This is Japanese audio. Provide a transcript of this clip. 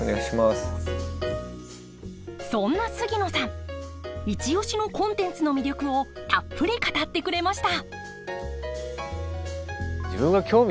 そんな杉野さんイチ推しのコンテンツの魅力をたっぷり語ってくれました。